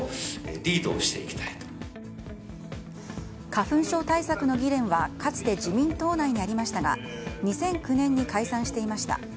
花粉症対策の議連はかつて自民党内にありましたが２００９年に解散していました。